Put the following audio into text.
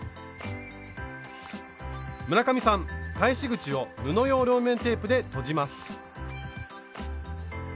村上さん返し口を布用両面テープでとじます。